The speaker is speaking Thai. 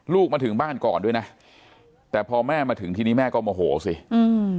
ลูกมาถึงบ้านก่อนด้วยนะแต่พอแม่มาถึงทีนี้แม่ก็โมโหสิอืม